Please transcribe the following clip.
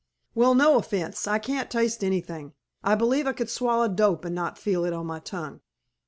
_ "Well, no offense. I can't taste anything. I believe I could swallow dope and not feel it on my tongue."